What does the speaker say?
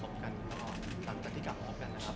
ก็ว่าการที่เขาฝันกับกันก็ตามการที่กลับกับกันนะครับ